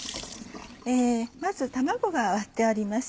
まず卵が割ってあります。